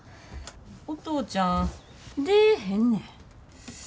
お父ちゃん出ぇへんねん。